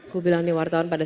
aku bilang nih wartawan pada